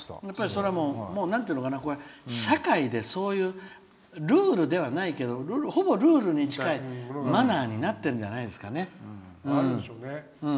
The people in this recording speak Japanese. それは社会でそういうルールではないけどほぼルールに近いマナーになってるんじゃないかなと思いますね。